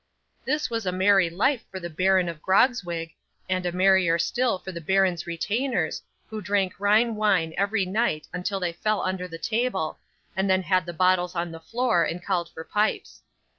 'This was a merry life for the Baron of Grogzwig, and a merrier still for the baron's retainers, who drank Rhine wine every night till they fell under the table, and then had the bottles on the floor, and called for pipes.